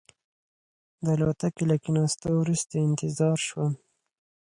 د الوتکې له کېناستو وروسته انتظار شوم.